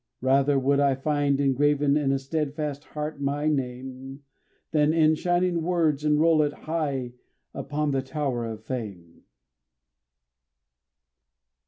Rather would I find engraven in a steadfast heart my name, Than in shining words enroll it high upon the tower of fame.